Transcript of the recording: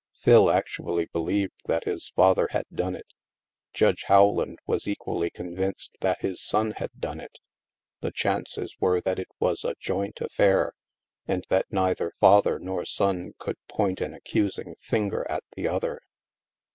Phil actually believed that his father had done it. Judge Rowland was equally convinced that his son had done it. The chances were that it was a joint affair, and that neither father nor son could point an ac cusing finger at the other.